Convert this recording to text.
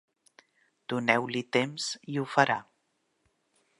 Doneu-li temps, i ho farà.